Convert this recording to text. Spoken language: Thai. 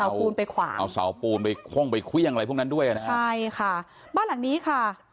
เอาปูนไปขวางเอาเสาปูนไปโค้งไปเครื่องอะไรพวกนั้นด้วยนะฮะใช่ค่ะบ้านหลังนี้ค่ะ